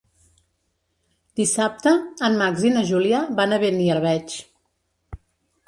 Dissabte en Max i na Júlia van a Beniarbeig.